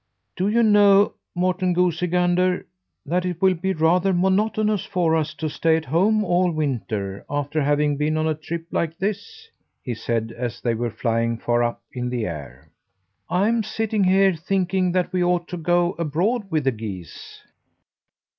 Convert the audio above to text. "Do you know, Morten Goosey Gander, that it will be rather monotonous for us to stay at home all winter after having been on a trip like this," he said, as they were flying far up in the air. "I'm sitting here thinking that we ought to go abroad with the geese."